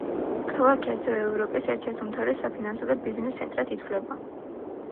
ქალაქი ასევე ევროპის ერთ-ერთ უმთავრეს საფინანსო და ბიზნეს ცენტრად ითვლება.